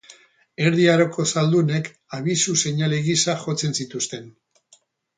Erdi Aroko zaldunek, abisu seinale gisa jotzen zituzten.